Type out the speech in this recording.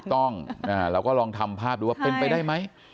ถูกต้องเราก็ลองทำภาพดูว่าเป็นไปได้ไหม